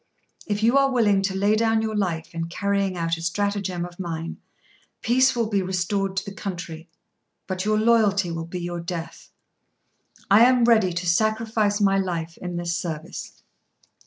If you are willing to lay down your life in carrying out a stratagem of mine, peace will be restored to the country; but your loyalty will be your death." "I am ready to sacrifice my life in this service."